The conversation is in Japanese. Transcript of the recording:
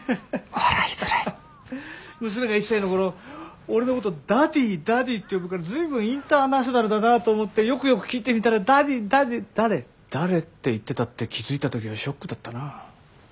笑いづらい娘が１歳の頃俺のこと「ダディーダディー」って呼ぶから随分インターナショナルだなと思ってよくよく聞いてみたら「ダディーダディだれ誰？」って言ってたって気付いた時はショックだったな。